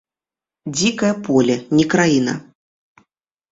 Дзікае поле, не краіна!